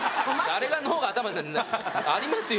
誰が脳が頭にありますよ